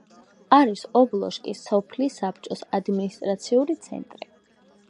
არის ობლოჟკის სოფლის საბჭოს ადმინისტრაციული ცენტრი.